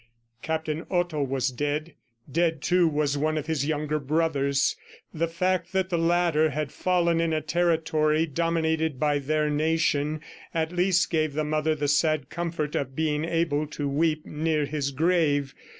Captain Otto was dead. Dead, too, was one of his younger brothers. The fact that the latter had fallen in a territory dominated by their nation, at least gave the mother the sad comfort of being able to weep near his grave.